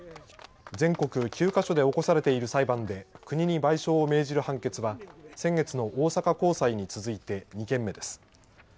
全国９か所で起こされている裁判で国に賠償を命じる判決は先月の大阪高裁に続いて２件目です。